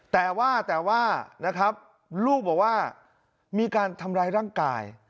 แต่ว่าแต่ว่านะครับลูกบอกว่ามีการทำร้ายร่างกาย